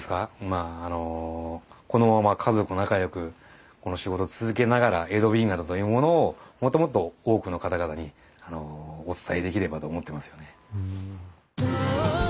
まあこのまま家族仲良くこの仕事を続けながら江戸紅型というものをもっともっと多くの方々にお伝えできればと思ってますよね。